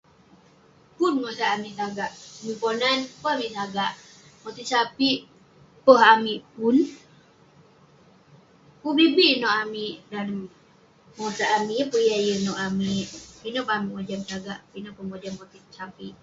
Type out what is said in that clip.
Pun bengosak amik sagak, amik ponan, pun amik sagak..motit sapik peh amik pun, pun bi bi neh nouk amik dalem bengosak amik, yeng pun yah yeng nouk amik..ineh peh amik mojam sagak, ineh peh mojam motit sapik